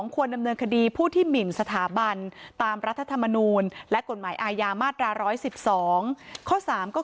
ควรดำเนินคดีผู้ที่หมินสถาบันตามรัฐธรรมนูลและกฎหมายอาญามาตรา๑๑๒ข้อ๓ก็คือ